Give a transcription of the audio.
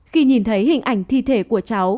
khi nhìn thấy hình ảnh thi thể của cháu